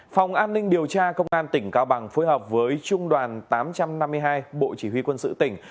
phòng an ninh điều tra công an tỉnh cao bằng phối hợp với trung đoàn tám trăm năm mươi hai bộ chỉ huy quân sự tỉnh